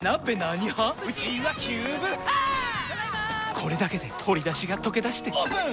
これだけで鶏だしがとけだしてオープン！